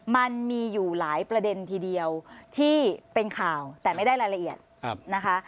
มันมีอยู่หลายประเด็นทีเดียวที่เป็นข่าวแต่ไม่ได้รายละเอียดนะคะ